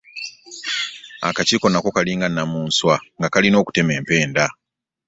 Akakiiko nako kalinga nnamunswa nga kalina okutema empenda.